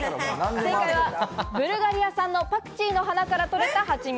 正解はブルガリア産のパクチーの花から取れた蜂蜜。